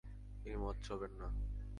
তিনি মদ ছোঁবেন না।